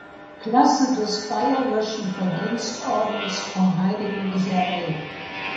Klasse des Bayerischen Verdienstordens vom Heiligen Michael.